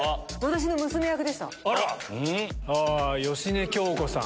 芳根京子さん。